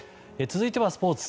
続いてはスポーツ。